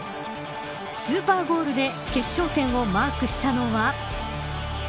スーパーゴールで決勝点をマークしたのは。